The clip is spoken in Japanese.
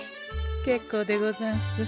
結構でござんす。